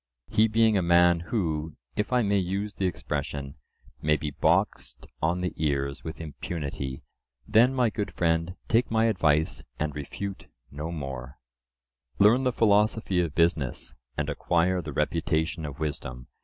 —he being a man who, if I may use the expression, may be boxed on the ears with impunity. Then, my good friend, take my advice, and refute no more: "Learn the philosophy of business, and acquire the reputation of wisdom.